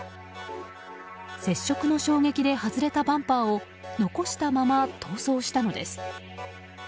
接触の衝撃で外れたバンパーを残したまま逃走したのです。